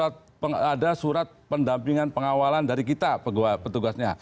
ada surat pendampingan pengawalan dari kita petugasnya